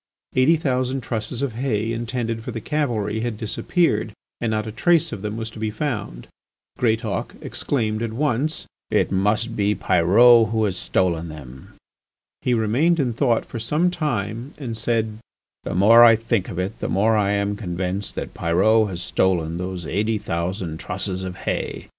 Eighty thousand trusses of hay intended for the cavalry had disappeared and not a trace of them was to be found. Greatauk exclaimed at once: "It must be Pyrot who has stolen them!" He remained in thought for some time and said: "The more I think of it the more I am convinced that Pyrot has stolen those eighty thousand trusses of hay.